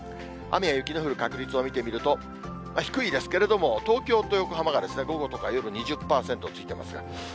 雨や雪の降る確率を見てみると、低いですけれども、東京と横浜がですね、午後とか夜、２０％ついてます。